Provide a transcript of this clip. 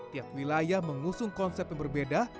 tiap wilayah mengusung konsep yang berbeda